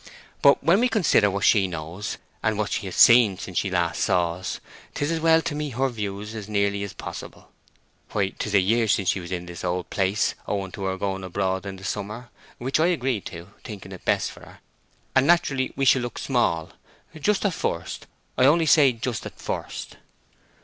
But when we consider what she knows, and what she has seen since she last saw us, 'tis as well to meet her views as nearly as possible. Why, 'tis a year since she was in this old place, owing to her going abroad in the summer, which I agreed to, thinking it best for her; and naturally we shall look small, just at first—I only say just at first."